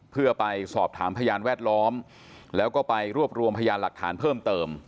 เพื่อไปสอบถามพยานแวดล้อมแล้วก็ไปรวบรวมพยานหลักฐานเพิ่มเติม